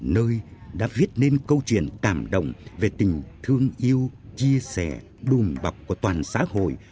nơi đã viết nên câu chuyện cảm động về tình thương yêu chia sẻ đùm bọc của toàn xã hội